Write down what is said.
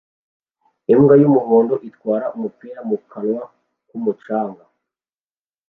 Imbwa y'umuhondo itwara umupira mu kanwa ku mucanga